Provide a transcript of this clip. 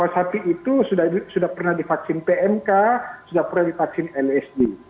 jadi itu sudah pernah divaksin pmk sudah pernah divaksin lsd